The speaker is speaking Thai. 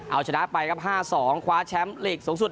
เอาชนะไปครับ๕๒คว้าแชมป์ลีกสูงสุด